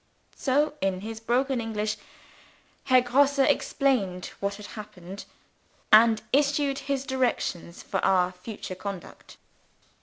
So, in his broken English, Herr Grosse explained what had happened, and issued his directions for our future conduct.